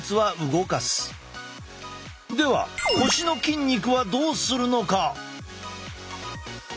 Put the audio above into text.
では腰の筋肉はどうするのか？